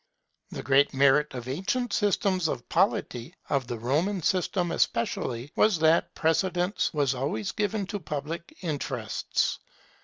The great merit of ancient systems of polity, of the Roman system especially, was that precedence was always given to public interests.